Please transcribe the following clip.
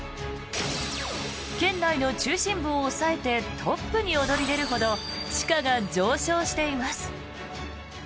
県内の中心部を抑えてトップに躍り出るほど地価が上昇しています。